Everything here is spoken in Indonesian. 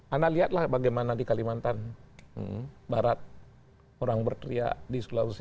anda lihatlah bagaimana di kalimantan barat orang berteriak di sulawesi